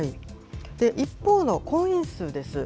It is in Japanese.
一方の婚姻数です。